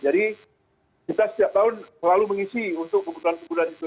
jadi kita setiap tahun selalu mengisi untuk kebutuhan kebutuhan itu